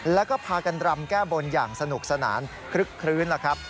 แล้วก็พากันรำแก้บนอย่างสนุกสนานคลึกคลื้นแล้วครับ